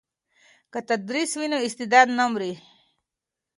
که تدریس وي نو استعداد نه مري.